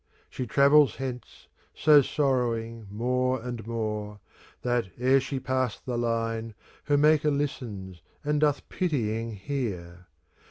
She travels hence, so sorrowing more and more, That, ere she pass the line. Her Maker listens and doth pitying hear.